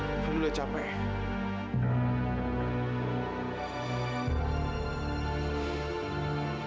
aku udah capek